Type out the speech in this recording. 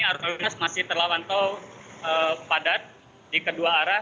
petugas masih terlawan tau padat di kedua arah